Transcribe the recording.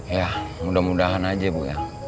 ya mudah mudahan aja bu ya